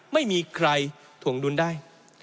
ไม่มีใครถวงดุลได้